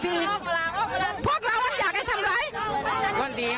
พวกเรามันอยากกันทำอะไร